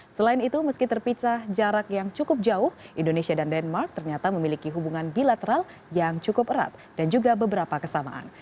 selain itu meski terpisah jarak yang cukup jauh indonesia dan denmark ternyata memiliki hubungan bilateral yang cukup erat dan juga beberapa kesamaan